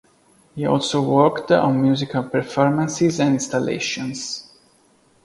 He also worked on musical performances and installations.